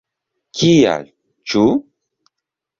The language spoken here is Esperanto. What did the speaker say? Kial, ĉu?